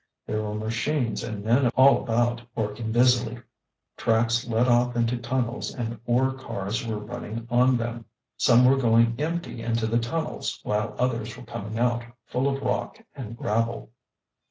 There were machines and men all about, working busily. Tracks led off into tunnels and ore cars were running on them. Some were going empty into the tunnels while others were coming out full of rock and gravel.